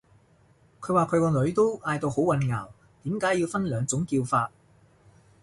佢話佢個女都嗌到好混淆，點解要分兩種叫法